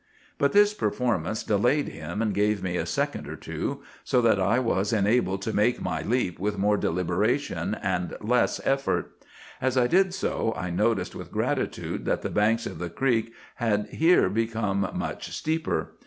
] "But this performance delayed him, and gave me a second or two, so that I was enabled to make my leap with more deliberation and less effort. As I did so, I noticed with gratitude that the banks of the creek had here become much steeper.